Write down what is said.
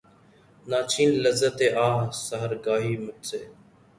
نہ چھین لذت آہ سحرگہی مجھ سے